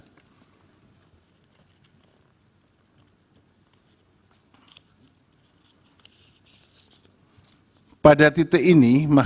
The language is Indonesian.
halaman delapan belas sembilan belas dianggap telah dibacakan